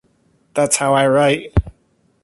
That's how I write.